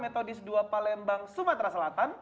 peringkat kedua ada jua palembang sumatera selatan